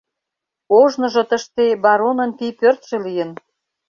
Ожныжо тыште баронын пий пӧртшӧ лийын.